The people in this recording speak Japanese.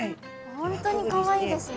本当にかわいいですね。